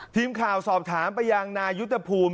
ทีมข่าวสอบถามไปยังนายุทธภูมิ